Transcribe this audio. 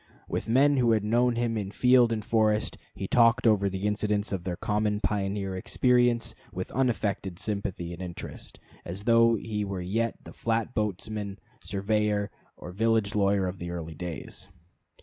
With men who had known him in field and forest he talked over the incidents of their common pioneer experience with unaffected sympathy and interest, as though he were yet the flat boatman, surveyor, or village lawyer of the early days.